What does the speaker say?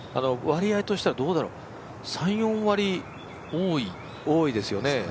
割合としてはどうだろう３４割多いですよね。